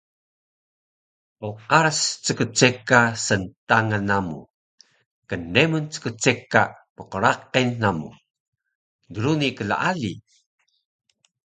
Qqaras ckceka sntangan namu. Knremun ckceka mqraqil namu. Druni klaali